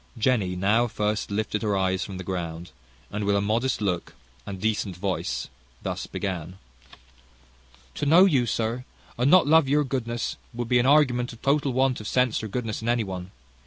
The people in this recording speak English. Jenny now lifted her eyes from the ground, and with a modest look and decent voice thus began: "To know you, sir, and not love your goodness, would be an argument of total want of sense or goodness in any one.